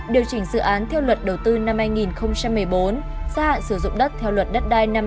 điều chỉnh dự án theo luật đầu tư năm hai nghìn một mươi bốn gia hạn sử dụng đất theo luật đất đai năm hai nghìn một mươi